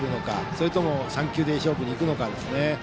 それとも３球で勝負に行くのか。